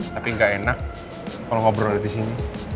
tapi gak enak kalau ngobrol disini